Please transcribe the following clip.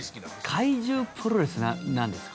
怪獣プロレスなんですか。